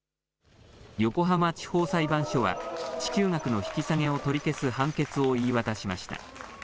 横浜地方裁判所は、支給額の引き下げを取り消す判決を言い渡しました。